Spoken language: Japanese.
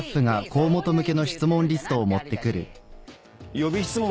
予備質問